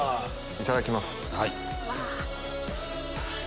いただきます。